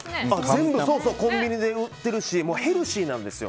全部コンビニで売ってるしヘルシーなんですよ。